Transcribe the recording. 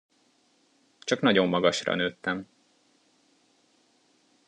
Csak nagyon magasra nőttem.